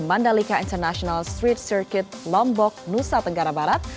mandalika international street circuit lombok nusa tenggara barat